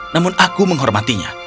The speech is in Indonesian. namun aku menghormatinya